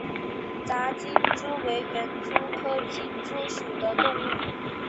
杂金蛛为园蛛科金蛛属的动物。